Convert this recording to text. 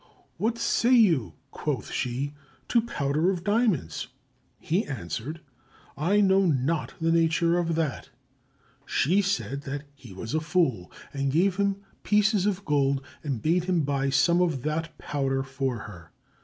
"What say you (quoth she) to powder of diamonds?" He answered, "I know not the nature of that." She said that he was a fool, and gave him pieces of gold, and bade him buy some of that powder for her.